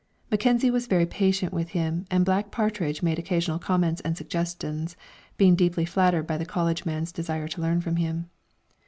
Mackenzie was very patient with him, and Black Partridge made occasional comments and suggestions, being deeply flattered by the college man's desire to learn from him.